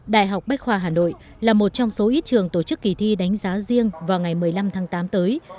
đại học bách khoa hà nội là một trong số ít trường tổ chức kỳ thi đánh giá riêng vào ngày một mươi năm tháng tám tới